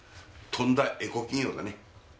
とんだエコ企業だね。